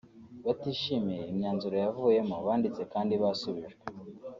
batishimiye imyanzuro yavuyemo banditse kandi basubijwe